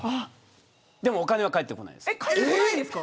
でも、お金は返ってこないです。